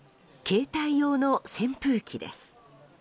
携帯用の扇風機です。